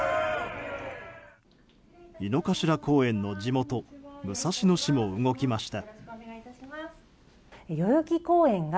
井の頭公園の地元武蔵野市も動きました。